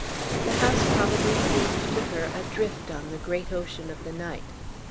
The house probably seemed to her adrift on the great ocean of the night.